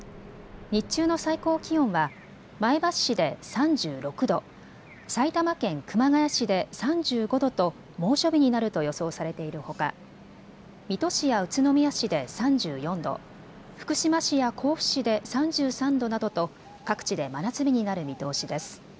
日中の最高気温は前橋市で３６度、埼玉県熊谷市で３５度と猛暑日になると予想されているほか、水戸市や宇都宮市で３４度、福島市や甲府市で３３度などと各地で真夏日になる見通しです。